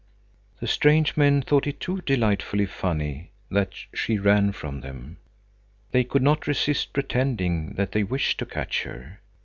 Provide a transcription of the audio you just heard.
The strange men thought it too delightfully funny that she ran from them. They could not resist pretending that they wished to catch her.